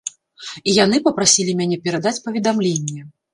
І яны папрасілі мяне перадаць паведамленне.